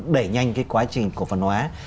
để nhanh cái quá trình cổ phần hóa